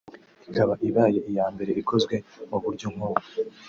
Ikaba ibaye iya mbere ikozwe mu buryo nk’ubu